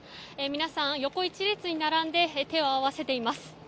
皆さん、横一列に並んで手を合わせています。